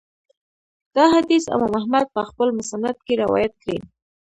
دا حديث امام احمد په خپل مسند کي روايت کړی